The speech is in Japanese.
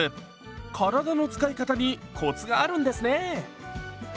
体の使い方にコツがあるんですね！